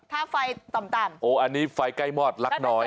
ถ้าไฟต่ำโอ้อันนี้ไฟใกล้มอดลักน้อย